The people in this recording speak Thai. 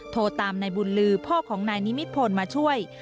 โทรตามนายบุญลือพ่อของนายนิมิตพลมาช่วย